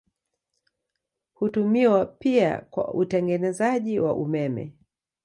Hutumiwa pia kwa utengenezaji wa umeme.